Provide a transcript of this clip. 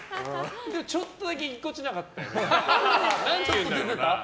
ちょっとだけぎこちなかったよね。